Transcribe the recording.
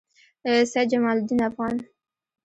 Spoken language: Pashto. سعید جمالدین افغان